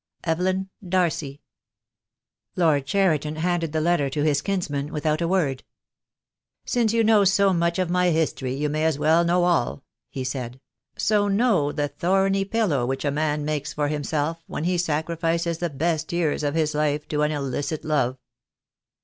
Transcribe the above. "Evelyn Darcy." Lord Cheriton handed the letter to his kinsman without a word. "Since you know so much of my history you may as well know all," he said; "so know the thorny pillow which a man makes for himself when he sacrifices the best years of his life to an illicit love."